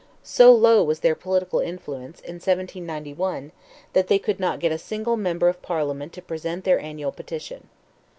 So low was their political influence, in 1791, that they could not get a single member of Parliament to present their annual petition.